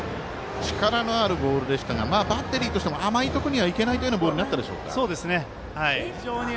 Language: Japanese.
力のあるボールでしたがバッテリーとしても甘いところにはいけないというようなボールになったでしょうか。